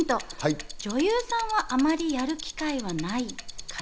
女優さんはあまりやる機会はない。